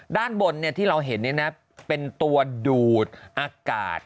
ด้านบนที่เราเห็นเป็นตัวดูดอากาศ